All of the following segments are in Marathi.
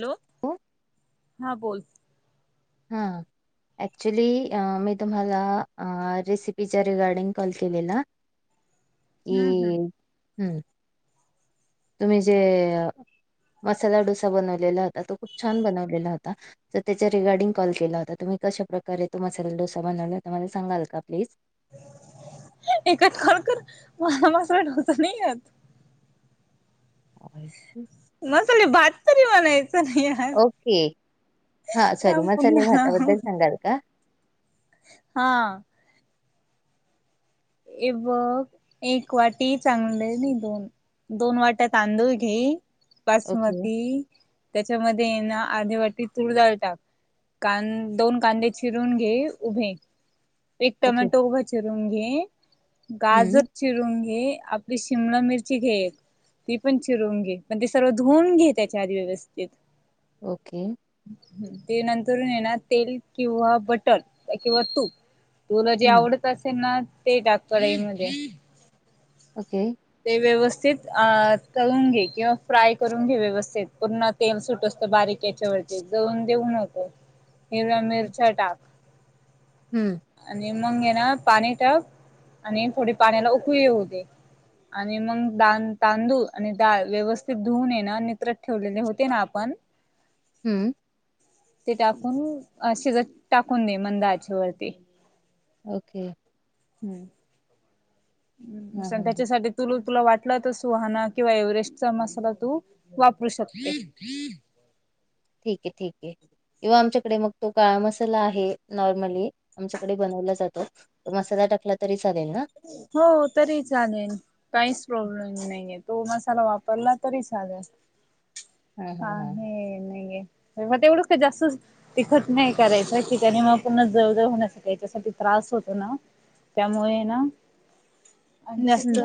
हॅलो, हां बोल. हा. ऍक्च्युली मी तुम्हाला रेसिपीचा रिगार्डिंग कॉल केलेला. की हम्म हम्म ह हम्म. तुम्ही जे मसाला डोसा बनवलेला होता तो खूप छान बनवलेला होता. त्याच्या रिगार्डिंग कॉल केला होता तुम्ही, कशा प्रकारे तो मसाला डोसा बनवला तो मला सांगाल का प्लीज? ए काय खरोखर मसाला मसाला डोसा नाही येत. मसाले भात तरी म्हणाय च नाही आ ओके हा सॉरी सांग मसाले पुन्हा ना. भाताबद्दल सांगाल का हा. हे बघ एक वाटी चांगले भिजवुन. दोन वाट्या तांदूळ घे ओके बासमती त्याच्यामध्ये ना आर्धी वाटी तूरडाळ टाक. कां दोन कांदे चिरून घे उभे. एक ओके टोमॅटो उभा गाजर हम्म चिरून घे, आपली शिमला मिरची घे. ती पण चिरून घे, पण ते सर्व धुवून घे त्याच्या आधी व्यवस्थित. ओके. ते नंतरुन येणार तेल किंवा बटर किंवा तूप तुला जे हम्म आवडत असेल ना ते टाक कडई मध्ये. ओके. व्यवस्थित तळून घे किंवा फ्राय करून घे व्यवस्थित पूर्ण तेल सुट असतं बारीक त्याच्या वरती जळून देऊ नको, हिवळ्या मिरच्या टाक. हम्म मगे ना पाणी टाक आणि थोडी पाण्याला उकळी येवू दे. आणि मग द तांदूळ आणि डाळ व्यवस्थित धुवून येण ना नित्रत ठेवलेले होते ना आपण हम्म. ते टाकून शिजत टाकून दे मंदा आचे वरती. ओके. हम्म. हां हां त्याच्यासाठी तुलू तुला वाटलं तर सुहाणा किंवा एव्हरेस्टचा मसाला तू वापरू शकते. ठीक आहे, ठीक आहे किंवा आमच्या इकडे मगं तो काळा मसाला आहे नॉर्मली आमच्याकडे बनवला जातो मसाला टाकला तरी चालेल ना? हो तरी चालेल काहीच प्रॉब्लेम नाहीय तो मसाला वापरला तरी चालेल. हां, हा हां, हां, हां. हे नाय आहे. म तेवढं का जास्त, तिखट नाही करायचं की ज्यानी म पुन्हा जळ- जळ [unintelligible] याच्यासाठी त्रास अस होत ना, त्यामुळे ना आणि नस्त हं.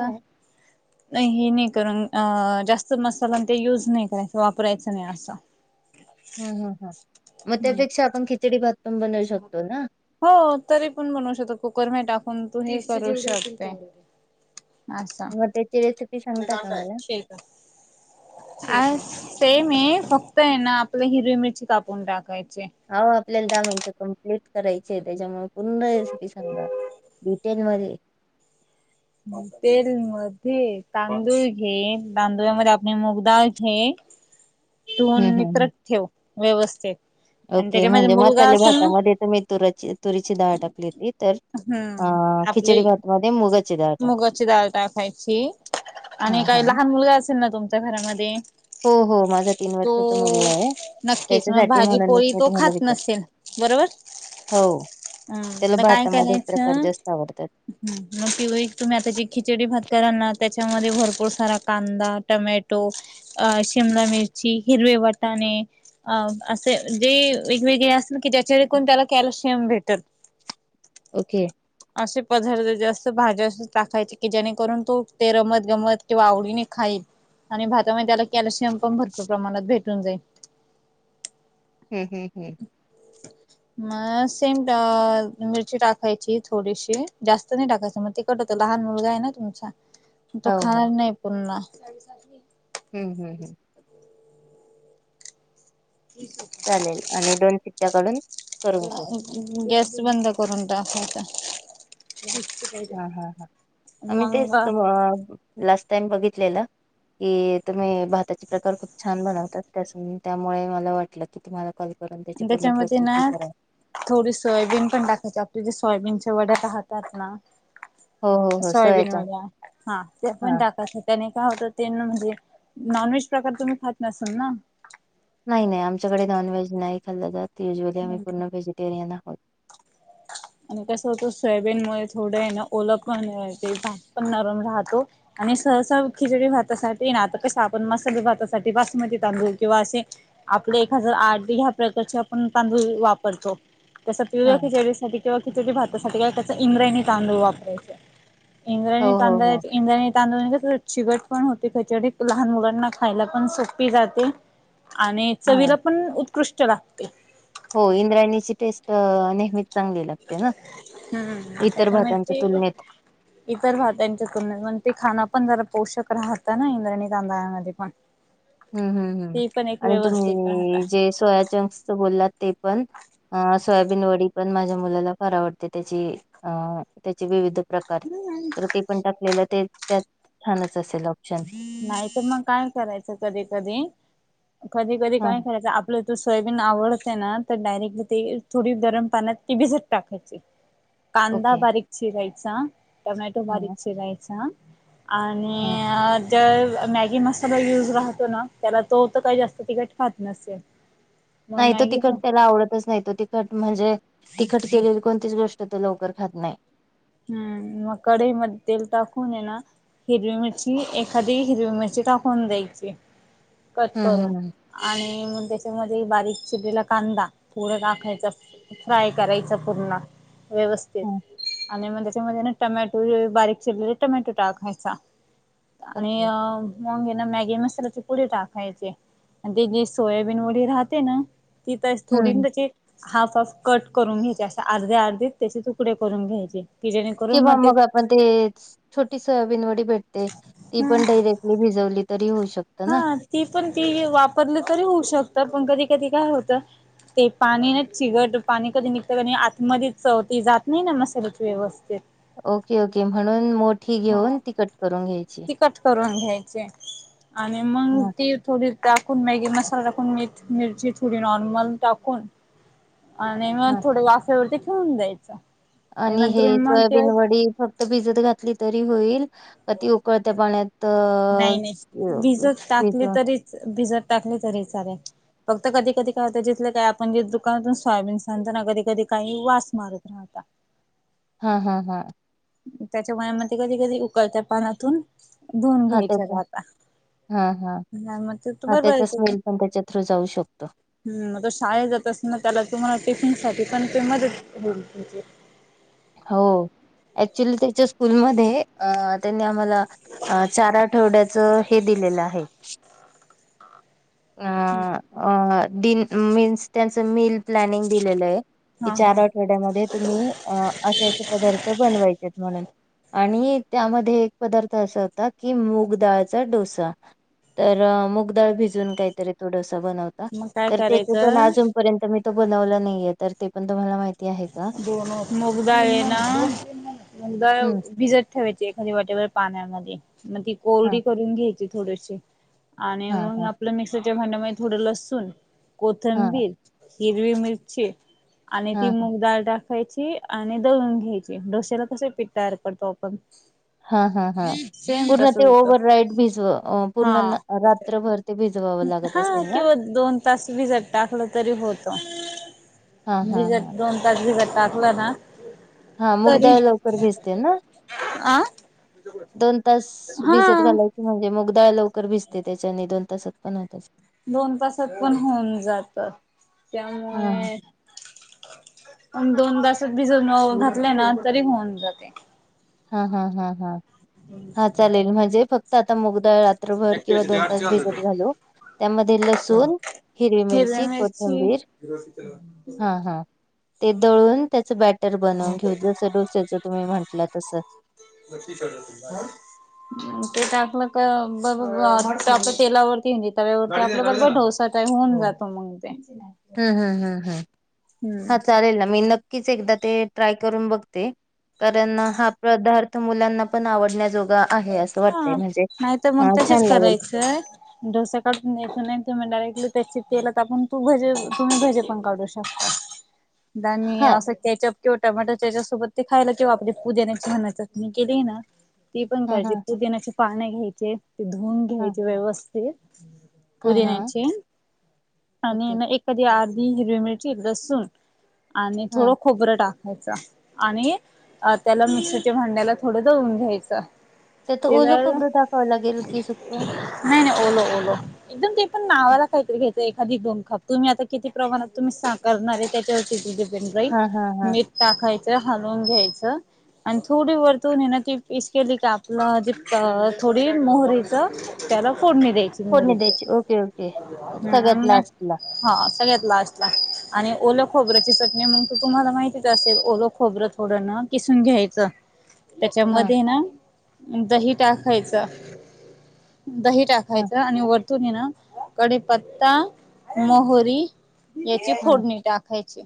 नाय हे नाय कारण अं जास्त मसाला ते युज नाही करायच वापरायचं नाही असं. हम हम ह, म त्यापेक्षा आपण खिचडी भात पण बनवू शकतो ना? हो तरी पण बनू शकतो कुकर मध्ये टाकू पण तूहे करू शकते असा मग त्याची रेसिपी सांगता का मला? [unintelligible] आज. ते मे फक्त आहे ना आपल्या हिरवी मिरची कापून टाकाय आहो आपल्याला दहा मिनट कमी सलेक्ट करायची त्याच्यामुळे पूर्ण रेसिपी सांगा डिटेल मध्ये. तेल मध्ये तांदूळ घे, तांदुळामध्ये आपण मुगदाळ घे. [inaudible] धुवून हं, हं, नित्रत हं. ठेव व्यवस्थित. आणि ओके त्याच्यामध्ये म्हणजे मुलगा मसाले असेल ना भातामध्ये तुम्ही तुराची तुरीची डाळ टाकली होती तर हम्म आ खिचडी आपली भात मध्ये मुगाची डाळ. टाकू. मुगाची दाळ टाकायची आणि हां, काही हां. लहान मुलगा असेल ना तुमच्या घरामध्ये हो- हो माझा तीन वर्षाचा तो मुलगा आहे. नक्कीच म त्याच्यासाठी भाजी म्हणूनच पोळी मी तो तुम्हाला खात विचारते नसेन बरोबर? हो अ त्याला द काय भातामध्ये प्रकार करायचं? जास्त आवडतात. नि पिवळी तुम्ही आता जी खिचडी भात करालना त्याच्यामध्ये भरपूर सारा कांदा, टमॅटो अ शीम शिमला मिरची, हिरवे वटाणे. अ असे जे वेगवेगळे असे की ज्याच्या कोण त्याला कॅल्शियम भेटल. ओके. असे पदार्थ जास्त भाज्या अस टाकायचे की जेणेकरून तो ते रमत गमत किंवा आवडीने खाईल आणि भातामध्ये त्याला कॅल्शियम पण भरपूर प्रमाणात भेटून जाईल. हम्म हम्म हम्म. म सेम मिरची टाकायची. थोडीशी जास्त नाही टाकायचं म ते तिखट होतं लहान मुलगा आहे ना तुमचा. तो हो हो खाणार नाही पुन्हा. हम्म हम्म हम्म. [inaudible] चालेल आणि दोन शिट्ट्या काढून करून घेऊ गॅस बंद करून. [unintelligible] हा हा हा आमी तेच तर मग हम्मंम्म लास्ट - त्यानी बघितलेलं की तुम्ही भाताचे प्रकार खूप छान बनवता. त्यामुळे मला वाटलं की तुम्हाला कॉल करून त्याची पूर्ण त्याच्यामध्ये प्रोसेस ना विचारावी थोडी सोयबीन पण टाकायची आपल्या जशी सोयाबीनचे वड्या खातात ना? हो हो हो सोयाबीन सोयाचा वड्या त्या पण हा टाकायचे त्याने का होत त्यांना म्हणजे नॉनव्हेज प्रकार तु्ही खात नसेल ना? नाही नाही आमच्याकडे नॉन व्हेज नाही खाल्लं जात, व्हेज मध्ये आम्ही पूर्ण व्हेजिटेरियन आहोत. [inaudible] आणि कसं होतं सोयाबीन मुळे थोडं आहे ना ओल पण भात पण नरम राहतो आणि सहसा खिचडी भातासाठी ना आता कस आपण मसाले भातासाठी बासमती तांदूळ किंवा असे एक हजार आठ ह्या प्रकारचे आपण तांदूळ वापरतो त्या हा किंवा खिचडी भातासाठी काय करायचं इंद्रयणी तांदूळ वापरायचे. हो हो इंद्रणीतांदळ हो इंद्रणी तांदूळ - तांदूळाने कस चिवट पण होते खचडी लहान मुलांना खायला पण सोपी जाते आणि हा चवीला पण उत्कृष्ट लागते हो इंद्रायणीची टेस्ट नेहमी हम्म इतर त्याच्यामुळे भातांच्या ते तुलनेत इतर भात्यांच्या तुलनेत म्ह ते खां पण जरा पोषक राहत ना इंद्रयणी तांदळामध्ये पण हम्म हम्म हम् ते पण एक आणि व्यवस्थित राहता तुम्ही जे सोयाचंक्स बोललात ते पण सोयाबीन वडी पण माझ्या मुलाला फार आवडते. त्याची अ त्याची प्र प्रकार तर ते पण टाकलेला छानच असेल. ऑप्शन नाही तर मग काय करायचं कधी कधी कधी कधी हा काय करायचं आपलं तू सोयाबीन आवडते ना तर डायरेक्ट ते थोडी गरम पाण्यात ती भिजत टाकायची. कांदा ओके बारीक चिरायचा, टमॅटो हा बारीक चिरायचा. आणि हा जर मॅगी मसाला यूज राहतो ना त्याला तो तर काही जास्त तिकट खात नसेल. मग नाही तो तिखट मॅगी त्याला आवडतच नाही तो तिखट म्हणजे तिखट केलेली कोणतीच गोष्ट तर लवकर खात नाही. हम्म मग कढई मध्ये तेल टाकून ये ना हिरवी मिरची एखादी हिरवी मिरची टाकून द्यायची. कट हम्म करून हम्म आणि त्याच्यामध्ये बारीक चिरीला कांदा थोडा टाकायचा. फ्राय करायचा पूर्ण. व्यवस्थित हम्म आणि मग त्याच्यामध्ये ना टमॅटो बारीक चिरलेले टमॅटो टाकायचा. आणि ओके अ मगे ना मॅगी मसाल्याचे पुढी टाकायचे. ते जी सोयाबीन वडी राहते ना त तर थोडी हम्म नचेे हाफ हाफ कट करून घ्यायचे. असा अर्ध्या अर्धे त्याचे तुकडे करून घ्यायचे. किंवा मग आपण ते छोटी सोयाबीन वाडी [unintelligible] हम्म पण डरेक्टली भिजवली तरी होऊ शकतं ना हा ती पण ती वापरली तरी होऊ शकतात. पण कधी कधी काय होतं, ते पाणी ना चिगट पाणी कधी निघत कधी आतमध्ये चव ते जात नाही ना मशाल्याची व्यवस्थित. ओके ओके म्हणून मोठी घेऊन तिकट करून घ्यायची. ्या आणि मग हा ती थोडी टाकून मॅगी मसाला पन मी मिरची थोडी नॉर्मल टाकून आणि मग हा थोड्या वाफ्यावरती ठेऊन द्यायचा. आणि हे सोयाबीन वडी फक्त भिजत घातली तरी होईल? अती उकळत्या नाही नाही पाण्यातज भिजत टाकली तरीच भिजत टाकली तरी चालेल. फक्त कधी कधी काय होता जिथलं काय आपण ज दुकानातून सोयाबीन सांगताना कधी कधी काही वास मारत राहता. हा हां हां त्याच्या वयामध्ये कधी कधी उकळत्या पानातून धुून हा घ्यायच्या त्याचा राहता. हा हा नाही मग ते तू हा बरोबर त्याचा स्मेल पण त्याच्या थ्रू जाऊ शकतो. हम् तो शाळेत जात अस ना त्याला तुम्हाला टिफिन शॉपी पण तेे मध्ये हो ऍक्च्युली त्याच्या स्कूलमध्ये अ त्यांनी मला चार आठवड्याच हे दिलेलं आहे. अ मीन्स त्यांचं मिल प्लॅनिंग दिलेलं आहे कि हा चार हा आठवड्यामध्ये तुम्ही अ असे असे पदार्थ बनवायचे म्हणून. आणि त्यामध्ये एक पदार्थ असा होता की मूगडाळचा डोसा. तर मुगदाळ भिजून काहीतरी तो डोसा बनवता. मग काय तर त्याच्यातून करायचं अजूनपर्यंत मी तो बनवलं नाहीये तर ते पण तुम्हाला माहि दोन मुगदाळ आहे ना? दाळ हम्म भिजत ठेवायची एखादी वाटीभर पाण्यामध्ये मग ती हा कोरडी करून घ्यायची थोडीशी आणि हा मग हा आपलं मिक्सर त्या भांडमध्ये थोडं लसूण हा कोथंबीर हिरवी मिरची ति हा मग दाळ टाकायची आणि दळून घ्यायची डोश्याला कस पीठ तयार करतो आपण हा हा हा सेम पूर्ण तसं ते होत ओव्हर नाईट भिजव पूर्ण हा रात्रभर ते भिज हा किं दोन तास भिजत टाकलं तरी होतं.. हा हा हा. भिजत दोन तास भिजत टाकलं ना हा तरी मुगदाळ लवकर भजते ना अ दोन तास भिजत हा घालायची म्हणजे मूगदाळ लवकर भिजते, त्याच्याने दोन तासात पण होतात. दोन तासात पण होऊन जात हा त्यामुळे पण दोन तासात भिजून घातले ना तरी होऊन जाते. हा हा हा हा हा चालेल म्हणजे फक्त आता मुगडाळ रात्रभर किंवा दोन तास भिजत घालो त्यामध्ये लसूण हिरवी मिरची कोथंबीर हा हा ते दळून त्याचं बॅटर बनवून घेऊ जसं डोस्याचं तुम्ही म्हटल्यात [inaudible] त्यातन क बग जा [inaudible] मग ते आपलं ब तेलावरती तव्यावरती आपलं ब ढोसाच आहे होऊन जातो. मग ते? हम्म हम्म हम्म हम्म हम्म हा चालले ना मीन नक्कीच एकदा ते ट्राय करून बघते. कारण हा पदार्थ मुलांना पण आवडण्याजोगा आहे असं वाटतंय हा, म्हणजे नाही तर हा मग छान तसेच लागेल. करायचंय डोसा काढून घ्यायच नाही तर मग डायरेक्टली त्याची केला तर आपण तू भजे तुम्ही भजे पण काढू शकता आणि हा असं केचप किंवा टमाटर त्याच्यासोबत ते खायला किंवा आपल्या पुदिन्याची छान चटणी केली ना, ती पण हा हा कायजे त्याचे पाणे घ्यायचे ते धुऊन हा घ्यायचे व्यवस्थित हा हा पुदीनांचे आणि ओके ना ऐखादी अर्धी हिरवी मिरची लसूण आणि हा थोडं खोबर टाक येचा आणि त्याला मिक्सरच्या भांड्याला थोडं दळून घ्यायचं त्यात ते ओल जर खोबरं टाकावं लागेल की, सुख? नाही नाही ओलं ओलं, एकदम ते पण नावाला काहीतरी घ्यायचं. एखादी दोन खाप तुम्ही आता किती प्रमाणात तुम्ही सार करणार आहे त्याच्यावर जनरल हा हा हा मीठ टाकायचं हलवून घ्यायचं. आणि थोडी वरतून ये ना [unintelligible] थोडी मोहरीच त्याला फोडणी द्यायची फोडणी मोहरीची. द्यायची ओके ओके सगळ्यात आणि मग लास्ट ला. हा सगळ्यात लास्टला आणि ओल खोबरची चटणी मग त तुम्हाला माहिती असेल, ओल खोबरं थोडं हा किसून घ्यायच. हा त्याच्यामध्ये ना दही टाकायचं दही हा टाकायचं आणि वरतूणी ना कडी पत्ता मोहरी याची हा फोडणी टाकायची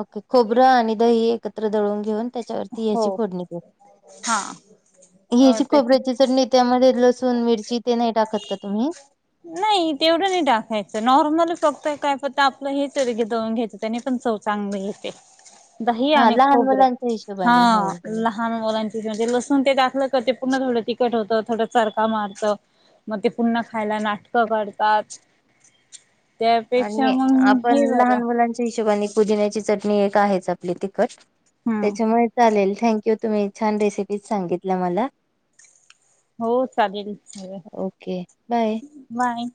ओके खोबरं आणि दही एकत्र दळून घेऊन त्याच्यावरती याची हो फोडनी हा अ, हेची त्याच खोबऱ्याची चटणी त्यामध्ये लस नाही तेवढं नाही टाकायचं नॉर्मल तर काय फक्त आपलं हेच येत की दळूनं घ्यायचं, त्याने पण चव चांगल येते. दही हा आणि लहान खोबर. मुलांच्या हा हिशोबाने हो हो लहान मुलांची म्हणजे लसूण ते टाकल का, ते पून्हा थोड तिखट होतं. थोडं चरका मारतो म ते पुन्हा खायला नाटक कडतात. आणि आपण लहान मुलांच्या हिशोबाने, पुदिन्याची चटणी एक आहेच आपली तिखट. हम्म त्याच्यामुळे चालेल, थँक्यू. तुम्ही छान रेसिपी सांगितल्या मला. हो चालेल ओके बाय. बाय